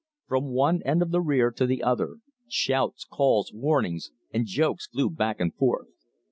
From one end of the rear to the other, shouts, calls, warnings, and jokes flew back and forth.